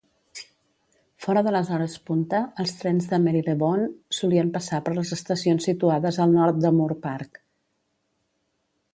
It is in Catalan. Fora de les hores punta, els trens de Marylebone solien passar per les estacions situades al nord de Moor Park.